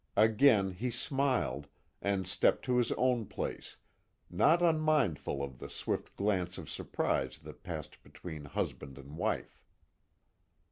Again, he smiled, and stepped to his own place, not unmindful of the swift glance of surprise that passed between husband and wife.